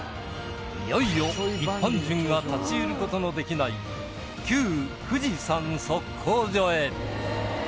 いよいよ一般人が立ち入る事のできない旧富士山測候所へ！